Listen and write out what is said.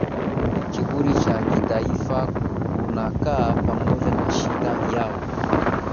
kiburi cha kitaifa kunakaa pamoja na shida yao